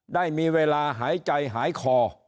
ได้มีเวลาหายใจหายคอ